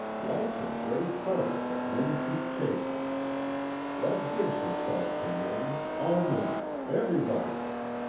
Life's a great harlot that men keep chasing. That gives herself to men all men, everybody.